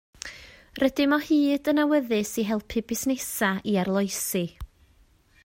Rydym o hyd yn awyddus i helpu busnesau i arloesi